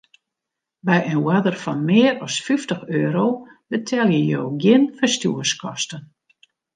By in oarder fan mear as fyftich euro betelje jo gjin ferstjoerskosten.